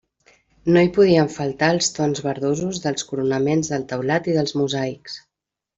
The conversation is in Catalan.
No hi podien faltar els tons verdosos dels coronaments del teulat i dels mosaics.